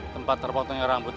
tempat terpotongnya rambut